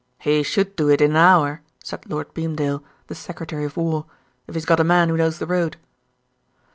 "He should do it in an hour," said Lord Beamdale, the Secretary of War, "if he's got a man who knows the road."